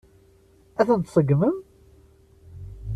Ad ten-tseggmem?